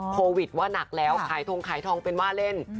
โควิดว่านักแล้วขายทงขายทองเป็นว่าเล่น